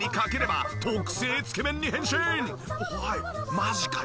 マジかよ。